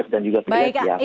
dan juga pilihan yang adil